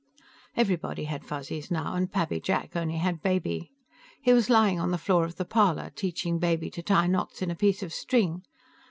Everybody had Fuzzies now, and Pappy Jack only had Baby. He was lying on the floor of the parlor, teaching Baby to tie knots in a piece of string.